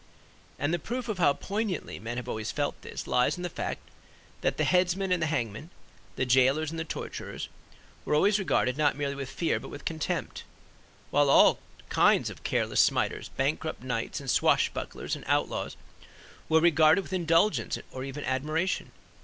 And the proof of how poignantly men have always felt this lies in the fact that the headsman and the hangman, the jailors and the torturers, were always regarded not merely with fear but with contempt; while all kinds of careless smiters, bankrupt knights and swashbucklers and outlaws, were regarded with indulgence or even admiration.